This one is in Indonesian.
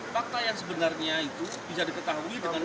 fakta yang sebenarnya itu bisa diketahui dengan